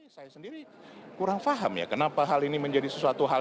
saya sendiri kurang paham ya kenapa hal ini menjadi sesuatu hal